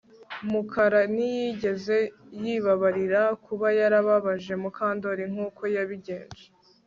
Mukara ntiyigeze yibabarira kuba yarababaje Mukandoli nkuko yabigenje